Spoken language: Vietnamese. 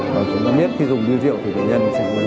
và chúng ta biết khi dùng bia rượu thì bệnh nhân